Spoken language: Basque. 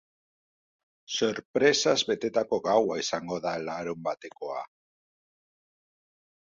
Sorpresaz betetako gaua izango da larunbatekoa.